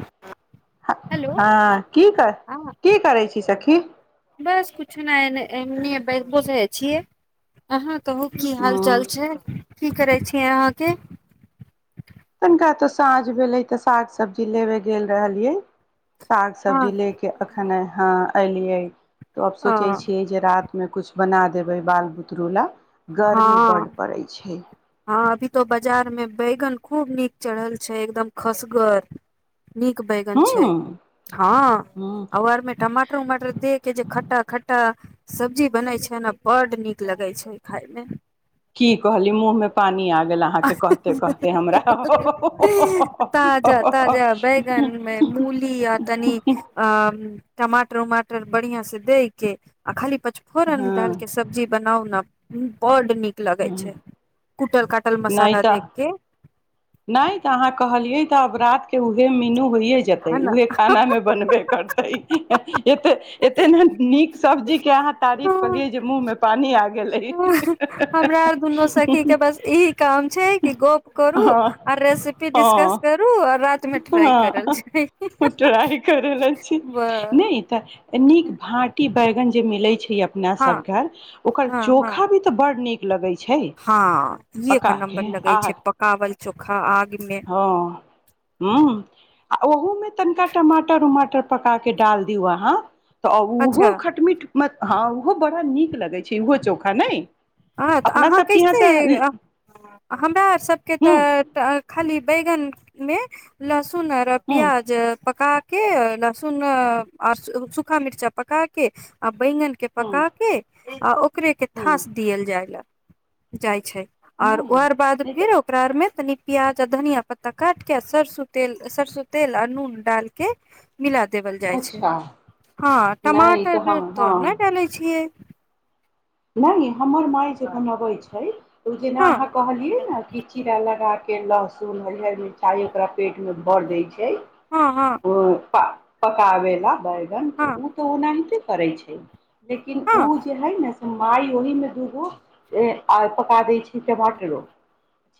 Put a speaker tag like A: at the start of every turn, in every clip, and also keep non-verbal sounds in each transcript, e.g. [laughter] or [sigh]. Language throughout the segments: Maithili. A: ह
B: ह हँ की कर
A: हँ
B: की करै छी सखी
A: बस कुछो नहि बूझे छियै अहाँ कहू की हाल
B: हूँ
A: चाल छै की करै छियै अहाँके
B: तनिका तऽ साँझ भेलै तऽ साग सब्जी लेबे गेल रहलियै साग
A: हँ
B: सब्जी लेके अखन ह अलियै तऽ आब सोचै
A: हँ
B: छियै जे रा मे किछु बना देबै बाल बुतरू लए गर्मी बड पड़ैत छै
A: हँ अभी तो बाजार मे बैगन खूब नीक चढ़ल छै एकदम खसगर नीक बैगन
B: हूँ
A: छै हँ
B: हूँ
A: आ आरमे टमाटर उमाटर दे के जे खट्टा खट्टा सब्जी बनै छै ने बड्ड नीक लगैत छै खायमे
B: की कहली मु पानी आ गेल अहाँके कहतेे हम
A: ताजा ताजा बैगन मे मूली आ तनी अ टमाटर उमाटर बढ़िआं से दै के आ खाली
B: हँ
A: पचफोरन
B: हँ
A: डालके सब्जी बनाउ ने ह बड नीक लगै छै कुटल काटल
B: नहि
A: मसाला
B: तऽ
A: दके
B: नहि तऽ अहाँ कहलियै तऽ आब रात के उहे मीनू होइए जेतै
A: है न
B: उहे खानामे बनबे करतै एते ने नीक सब्जीक के अहाँ तारीफ केलियै जे मुँह मे पानि आब
A: हमरा आर दुनू सखी के बस ई काम छै कि गप करू
B: हँ
A: रेसपि डिस्कस
B: हँ
A: करू आ रात मे ट्राई करल छै
B: हँ ट्राय करै ल छी
A: बस
B: नहि तऽ नीक भांटी बैगन जे मिलै छै अपना
A: हँ
B: सब घर ओकर
A: हँ हँ
B: चोखा भी त ब नीक लगै छै
A: हँ इहे
B: पका
A: के नम्बर लगै
B: आह
A: छै पकावल चोखा आग मे
B: ह आ ओहोमे तनिका माटर उमाटर पकारके डाल दी व्हा तऽ
A: अच्छा
B: ओहो खटमीट हँ ओहो बड़ा नीक लगै छै ओहो चोखा ने
A: हँ तऽ अहाँ कैसे हमरा सबके
B: हूँ
A: तऽ खाली बैगन मे लह सुन
B: हूँ
A: प्याज पका के के लहसुन आर सूखा मिर्चा पका के बैंगन के
B: हूँ
A: पका के आ ओ ओकरे के
B: हूँ
A: थास जाय लऽ जाइ छै आओर
B: नहि
A: ओर बाद
B: नहि
A: फेर
B: तऽ
A: ओकरारमे तनि प्याज आ धनिया पत्ता काट के आ सरसो तेल सरसो तेल आ नून डालके मिला देवल जाइ छै
B: अच्छा
A: हँ
B: नहि
A: टमाटर
B: हँ
A: तऽ नहि डालै छियै
B: नहिे हमर माय जे बनाबे छै ओ जेना
A: हँ
B: अहाँ कहलियै ने कि चीड़ा लगाके के लहसुन हरियर मिरचाई ओकरा पेट मे भर दय छै
A: हँ हँ
B: उ पा पकावला बैग
A: हँ
B: ओ तऽ ओ नहिते करै छै लेकिन
A: हँ
B: उ जे है न माय ओहि मे दूगो पका दै छै टमाटरो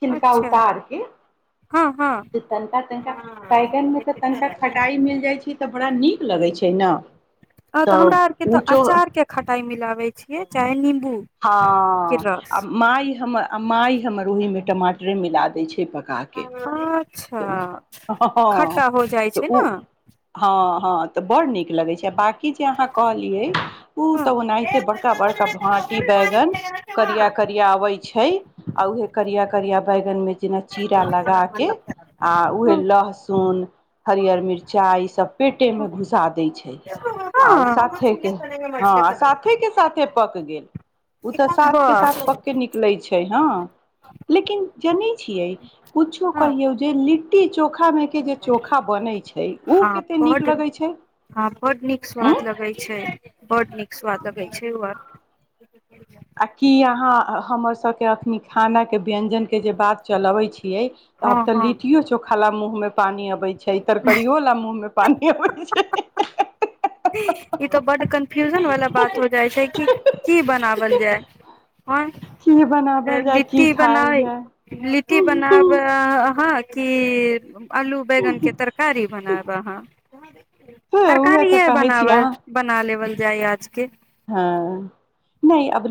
B: छिलका
A: अच्छा
B: उतार के
A: हँ हँ
B: तनिका तनिका बैगन मे तऽ तनिका खटाई मिल जाइ छै तऽ बड़ा नीक लगैत छै ने
A: अ तऽ हमरा आर के तऽ अचार के खटाई मिलब छ चाहे न निम्बू
B: हँ आ माइ हम आ मााय हमर ओहि मे टमाटरे मिला देय छैक
A: [inaudible]
B: हँ
A: खट्टा हो जाइ
B: तऽ
A: छै
B: ओ
A: ने
B: हँ हँ तऽ बडड़ नीक लगै छै ब कि जे अहाँ कहलियै उ
A: हँ
B: तऽ ओनाहिते बड़का बड़का भाटी बैगन करिया करिया अबै छै आ उह करिया करिया बैगन मे जेना चीरा लगा के आ उएहे
A: हँ
B: लहसुन हरियर मिर्चाइ ईसभ पेटेमे घुसा दैत छै आ ओ साथेके हँ आ साथेके साथे पकंगे ओ तऽ साथ के
A: वाह
B: साथ पकके निकलैत छै हँ लेकिन जनै छियै कछो
A: हँ
B: कहियौ लि्टी चोखा चोखा मे के जे चोखा बनै छै ओ
A: हँ
B: कते नीक
A: बड
B: लगै छै
A: हँ बड नीक
B: ह
A: स्वाद लगै छै बड नीक स्वाद लगै छै ओ आ
B: आ की अहाँ हमर सबके अखनी खानाक के व्यञ्जनक के जे बात चलबैत छी त
A: हँ
B: आब तऽ
A: हँ
B: लिटियो चोखाला मु उ मे पानी अबै छै छै तर करियो ल मुँह मे पानिब छै
A: ई त बडक न्फ्यूजन वालला बात हो जाइ छै कि की बनावल जाय
B: की
A: आ
B: बनावल जाय की
A: लिट्टी
B: खायल
A: बनाबै
B: जाय
A: लिट्टी बनाब हँ की आलू बैगन के तरकारी बनाब अहाँ ह [inaudible]
B: तऽ उहे
A: तरकारी
B: तऽ
A: य
B: कहै
A: बनाव
B: छी अहाँ
A: बना लेवल जाइ आजके
B: हँ नहि अब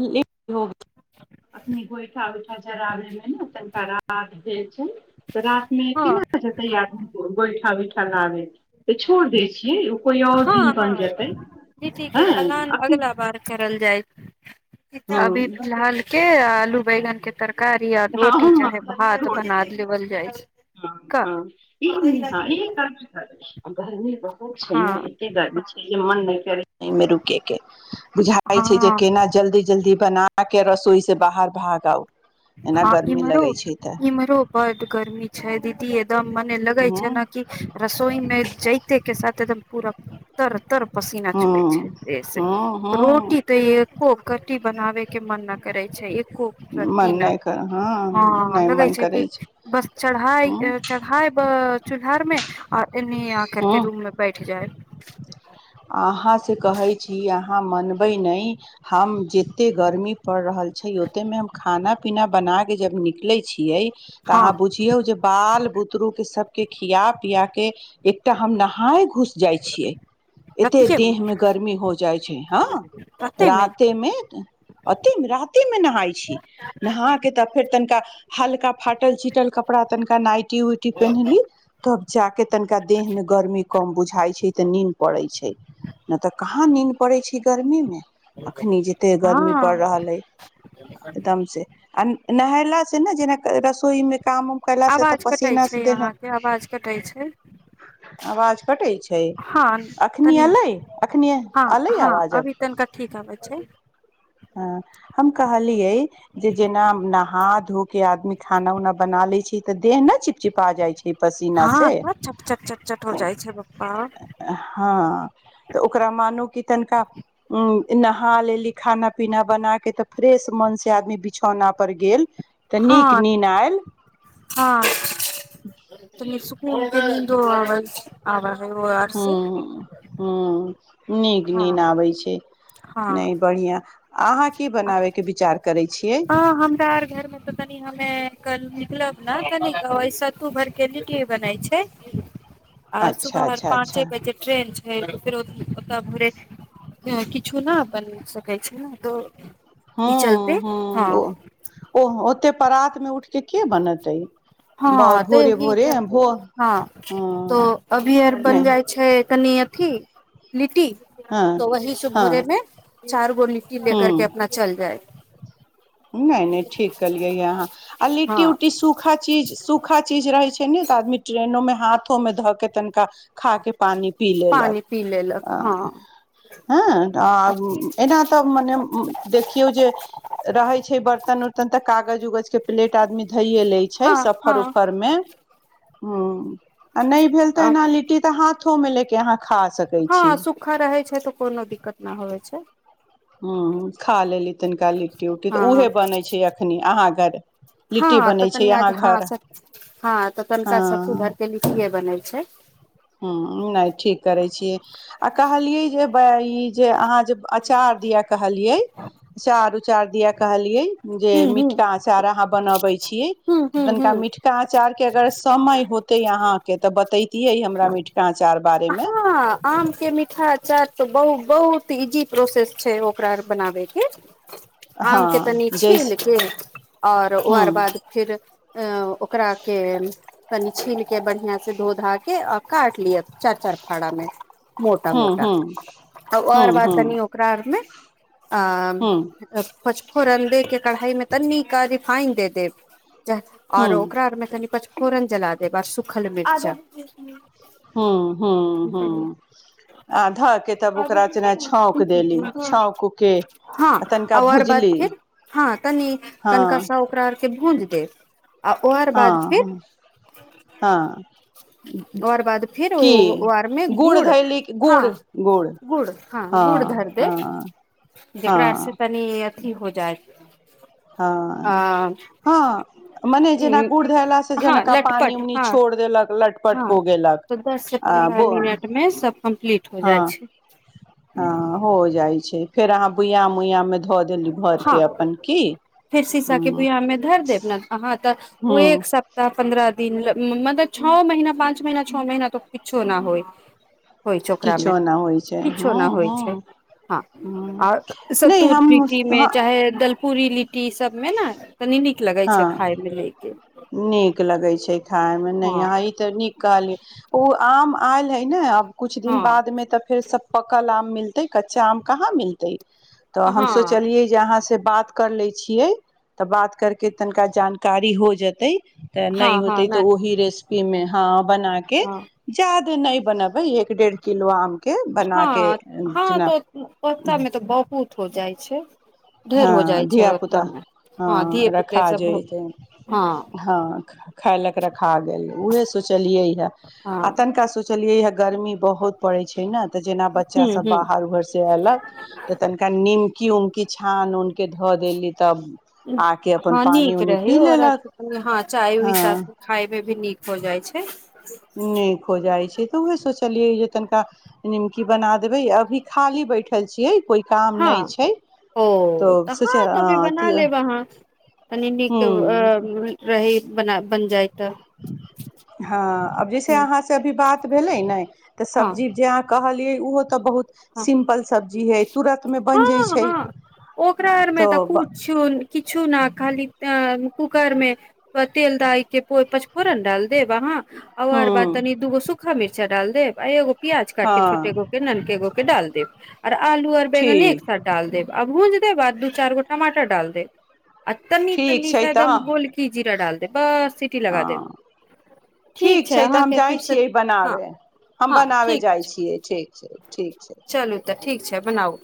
B: अ नि होइठा छैबैठ शराबे तनिका र भेल छै तऽ रात में
A: हँ
B: केनातैय बैठ ठा बठा लाबे त छोड़ देय छियै कोइ और दिन
A: हँ
B: बन
A: हँ
B: जेतै
A: जी ठीक ह
B: हँ
A: प्लान
B: अखनी
A: अगला बार करल जाइत अभी
B: हँ
A: के आलू बैगन के तरकारी आ
B: ह
A: रोटी चाहे भात बना लेवल जाइ छै का
B: घर बहुत
A: हँ
B: एतेक गर्मी छै मन नहि करै मेरू के के बुझाइ छै जे
A: हँ
B: केना जल्दी जल्दी बना के रसोई से बाहर भाग आउ
A: हँ इमरो इमरो बड गर्मी छै दीदी ती एकदम मने लगे छै
B: हँ
A: ने क रसोई मे जैतय के साथ एकदम पूरा तर तर पसीना चुए
B: हँ
A: छै
B: हँ हँ
A: रोटी तो एको कट्टी बनावे के मन न करे छै खूब स
B: मन नहि कर हँ नहि मन करै छै
A: चाइ
B: हँ
A: चढ़ा ब घरमे आर न आ करके रूम में बैठ जाय
B: अहाँसँ कहैत छी अहाँ मनबै नहि हम जतेक गर्मी पड़ि रहल छै ओतेकमे हम खाना पीना बनाके जब निकलैत छियै तऽ
A: हँ
B: अहाँ बुझियौ जे बाल बुतरूके सब के खिया पिया के एकटा हम नहाय घुस जाइ छियै एते देह मे गर्मी हो जाइ छै हँ राते मे ओते राते मे नहाय छी नहा के तऽ फेर तनि का हल्का फाटल चिटल कपड़ा तनिका नाइटी उइटी पेनहली तब चे तनिका देह मे गर्मी कम बुझाइ छै तऽ नीन्द पड़ै छै नहि तऽ कहाँ नींद पड़ैत छै गर्मी मे एखनि जतेक गर्मी पड़ि
A: हँ
B: रहल अइ एकदमसँ आ नहायला से ने जेना रसोई मे काम उम कयलास से तऽ
A: आवाज कटै
B: पसीना से
A: छै
B: देह
A: अहाँके आवाज कटै छै
B: आवाज कटै छै
A: हँ
B: अखनी
A: तनी
B: अयले अखनि
A: हँ
B: अयले
A: हँ
B: आवाज
A: अभी तनिका ठीक आबै छै
B: ह्म हम कहलिये जेना नहा धो के आदमी खाना उना बना ले छै तऽ देह न चिपचिपा जाय छै पसीना
A: हँ
B: से
A: सब झट छट चट चट हो जाइ छै पप्पा
B: हँ तऽ ओकरा मानू कि तनिका उ नहा लेली खाना पीना बना के ते फ्रेश मन से आदमी बिछौना पर गेल तऽ नीक
A: हँ
B: नीन आयल
A: हँ त सुक दो आवाज आवाज
B: हू हू नीक नींद
A: हँ
B: आबैत छै
A: हँ
B: नहि बढ़िया ह अहाँ की बनाबे के विचार करैय छी
A: हँ हमरा आर घरमे तऽ कनि हमे निकलब ने कनि ओ सत्तू भर के लिट्टी बनैय छै आर
B: अच्छा
A: सुबहर
B: अच्छा अच्छा
A: पाँचे बजे ट्रेन छै हेर ओका फेर किछु ने बनि सकै छै ने त
B: हँ हँ
A: आ
B: ओते परात मे उठ के के बनेतय
A: हँ तऽही चलते हँ तो
B: हँ
A: अभी आर
B: नहि
A: बन जाइ छै कनि अथी लिटी
B: हँ
A: त वह से भोरे मे चार गो लि
B: हम्म किए नय ठीक केलिये अहाँ आ लिट्टी
A: हँ
B: उट्टटी सुखा चीज सुखा चीज रहैय छै ने तऽ आदमी ट्रेनों हाथो में धऽ के तनिका खा के पानी पी लेलक
A: पानि पी लेलक हँ
B: ह एना मने देखियौ जे रहै छै बर्तन उर्तन तऽ कागज उगज के प्लेट आदमी धइए लै छै
A: हँ
B: सफर
A: हँ
B: उफरमे हँ आ नहि भेल तऽ एना लिट्टी तऽ हाथ मिलेके अहाँ खा सकै
A: हँ
B: छी
A: सुूखा रहै छै तऽ कोनो दिक्कत नहि होइ छै
B: ह खा लेली तनिका लिट्टी उट्टी तऽ उऊहे
A: हँ
B: बनैत छै अखनी हाँ घर
A: हँ
B: लिट्टी
A: तऽ
B: बनै छै
A: तनि आज
B: अहाँ
A: हँ
B: घर
A: हँ तऽ तनिका सबकू
B: हँ
A: घरके लिट्टीए बनै छै
B: ह नहि ठीक करै छीय आ कहलियै जे ई जे अहाँ जे अचार दिया कहलियेच चार द कहलियै जे
A: हूं हूं
B: मिटका आचार अहाँ बनाबे छियै
A: हूं हूं
B: तनिका
A: हूं
B: मिटका आचार के अगर समय होते अहाँ के तऽ बतेैतिये हम मिटका अचार बारे मे
A: हँ आम के मिठाइ सर तऽ बहुत बहुत इजी प्रोसेस छै ओकरा बनाबेके
B: हँ
A: आमके तनी
B: जैस
A: छील क आओर ओ
B: हूँ
A: आर बाद फेर ओकरा के कनि छील के बढ़ियां से धो धा के आ काट लिअ चार चार भाड़ामे मोटा
B: हूँ
A: मोटा
B: हूँ
A: तब
B: हूँ
A: आओर बात
B: हूँ
A: तनी ओकरा आरमे आ
B: हूँ
A: पांचफोरन लयके कढ़ाई में तन्नी का रिफाइन दे देब
B: हूँ
A: और ओकरा आरमे कनि पाचफोरन जला दे आ सुखल मिर्चा
B: हू हू हू आ धऽ क तब ओकरा जेना छौँक देली छौँकके
A: हँ
B: आ तनिका
A: आर बाद
B: भूजली
A: फेर
B: हँ
A: के भुज देब आ ओ आर बाद
B: हँ
A: फिर
B: हँ हँ की
A: रर मे गुड़ हँ गुड़ हँ गुड़ धर दे जेकरा
B: हँ
A: से तनि अथी हो जाइ ह
B: हँ हँ मने जेना गुड़ धयलासँ
A: हँ
B: जनका पानि
A: लटपट
B: उनी
A: हँ
B: छोड़ देलक लटपट
A: हँ
B: हो गेलक
A: तऽ दस से
B: हं
A: पन्द्रह
B: बो
A: मिनट मे सब कम्प्लीट हो जाइ
B: हं
A: छै
B: हं हो जाय छै फेर अहां बुयाम उयाममे धऽ देली भरके
A: हँ
B: अपन की
A: फेर सीशाके
B: ह
A: बुयामे धर देब ने अहाँ
B: ह
A: ओह एक सप्ताह पन्द्रह दिन ल मतलब छओ महीना पाँच महीना छओ महीना तऽ किछो न होय होइ छै ओकरामे
B: किछो नहि होइ छै ह
A: किछो नहि होइ
B: ह
A: छै हँ
B: ह
A: आओ
B: नहि
A: त्तुर
B: हम
A: पीटीमे चाहे दलपुर री लि
B: हँ
A: खाय मे ले के
B: नीक लगै छै खायमे नहि
A: हँ
B: यहाँ ई तऽ नीक कहलियै ओ आम आयल हेय ने अब कुछ दिन
A: हँ
B: बाद में त फेर सब पकल आम मिल तै कच्चा आम कहाँ मिलतै तऽ हम
A: हँ
B: सोचलियै जे अहाँ से बात कर लै छियै तऽ बात करके तनिका जानकारी हो जतैय तऽ
A: हँ
B: नहि
A: हँ
B: होते
A: न
B: तऽ ओहि रेसिपी मे हँ बना के
A: हँ
B: जा दे नहि बनेबै एक डेढ़ किलो आम के
A: हँ
B: बना के
A: हँ
B: जेना
A: तऽ ओतनामे तऽ बहुत हो जाइ छै ढेर हो जाइ
B: हँ
A: छै
B: धियापुता
A: ओतना मे धिये
B: हँ
A: पुते
B: रखा
A: सब
B: जयतै हँ खाय लक रखा गेल उएह सोचलियै हे आ
A: हँ
B: तनिका सोचलियै ह गरमी बहुत पड़ैछै न त' जेना
A: हूँ
B: बच्चासभ
A: हूँ
B: बाहर उहरसं अयलक त' तनिका निमकी उमकी छान ऊन के धऽ देली तब आके अपन
A: हँ
B: पानि
A: नीक
B: उनि
A: रहै
B: पी
A: और
B: लेलक
A: हँ चाय उइ
B: हँ
A: साथ में खाय मे भी नीक हो जाइ छै
B: नीक हो जाइ छै तऽ उहे सोचलियै तनिका निमकी बना देबे अभी खाली बैठल छीयै
A: हँ
B: तो
A: ओ तऽ
B: सोच
A: हँ तबे बना
B: ह
A: लेब अहाँ तनी नीक रहहि बनाएब
B: हँ अब जैसे अहाँ से अभी बात ऽ भेलै नहि त
A: हँ
B: सब्जी जे कहलियै ओहो तऽ बहुत
A: हँ
B: सिम्पल सब्जी हइ तुरन्तमे बनि जाइ छै
A: हँ ओकरा आरमे तऽ किछ किछु ने खाली कूकरमे तेल दाय के पचफोरन डाल देब अहाँ आ आर बाद
B: हूँ
A: तनी दूगो सुखा मिर्चा डाल दे आ एगो प्याज काटके छोटे गो
B: हँ
A: के ननके गो के [inaudible] आर आलू आओर बैंगने एक
B: ठीक
A: साथ डाल देब आ भोज ओकर बाद दू चार गो टमाटर डाल दे आ तनी
B: ठीक
A: तनी तऽ
B: छै
A: सायदम बोलकी जीरा डाल दे बस सीटी लगा देब
B: हँ ठीक छै तऽ हम जाइ छियै
A: हँ
B: बनाबै हम
A: हँ
B: बनाबै
A: ठीक छै
B: जाइत छियै ठीक छै ठीक छै
A: चलू तऽ ठीक छै बनाउ